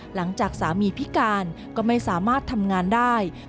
หลังจากสามีพิการก็ไม่สามารถทำงานได้